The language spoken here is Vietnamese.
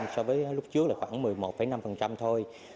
so với lúc trước là khoảng một mươi một một mươi năm thôi